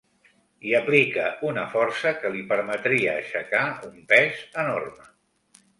Hi aplica una força que li permetria aixecar un pes enorme.